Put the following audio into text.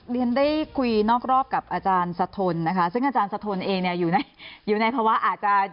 เรียนได้คุยนอกรอบกับอาจารย์สะทนซึ่งอาจารย์สะทนเองอยู่ในภาวะอาจารย์